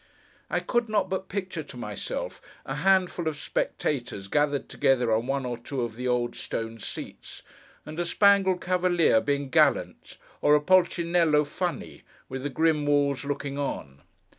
I could not but picture to myself, a handful of spectators gathered together on one or two of the old stone seats, and a spangled Cavalier being gallant, or a Policinello funny, with the grim walls looking on.